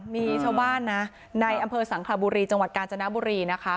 มีชาวบ้านนะในอำเภอสังคลาบุรีจังหวัดกาญจนบุรีนะคะ